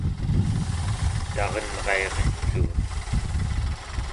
tarenrairissuun